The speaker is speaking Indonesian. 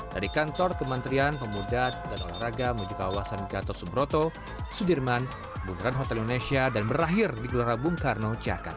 dari kantor kementerian pemuda dan olahraga menuju kawasan gatot subroto sudirman bundaran hotel indonesia dan berakhir di gelora bung karno jakarta